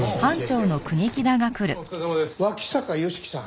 脇坂芳樹さん。